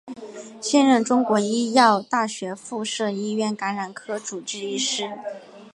现任中国医药大学附设医院感染科主治医师。